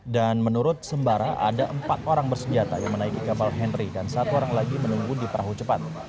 dan menurut sembara ada empat orang bersenjata yang menaiki kapal henry dan satu orang lagi menunggu di perahu cepat